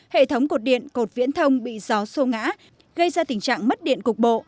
hệ thống cột điện cột viễn thông bị gió sô ngã gây ra tình trạng mất điện cục bộ